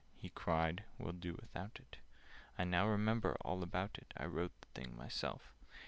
he cried. "We'll do without it: I now remember all about it; I wrote the thing myself.